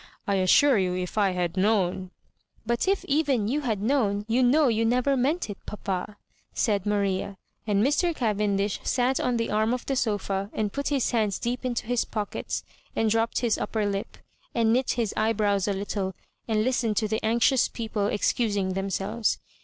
I assure you, if I had known ^" "JBut if even you had known, you know you never meant it, papa," said Maria. And Mr. Cavendish sat on the arm of the sofa, and put his hands deep into his pockets, and dropped his upper lip, and knit his eyebrows a little, and listened to the anxious people excusing them selves.